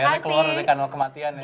akhirnya keluar dari kanal kematian ya